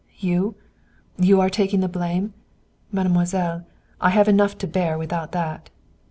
"You? You are taking the blame? Mademoiselle, I have enough to bear without that."